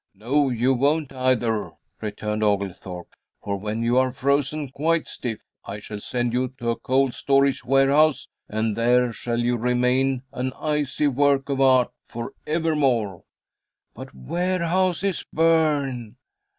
"No, you won't, either," returned Oglethorpe; "for when you are frozen quite stiff, I shall send you to a cold storage warehouse, and there shall you remain an icy work of art forever more." "But warehouses burn."